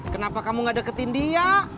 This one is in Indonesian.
kenapa kamu gak deketin dia